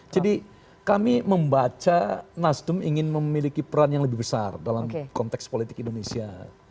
jadi kami membaca nasdem ingin memiliki peran yang lebih besar dalam konteks politik indonesia